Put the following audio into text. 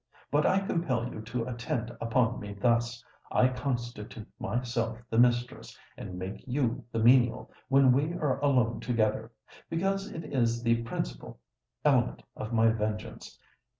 But I compel you to attend upon me thus—I constitute myself the mistress, and make you the menial, when we are alone together—because it is the principal element of my vengeance.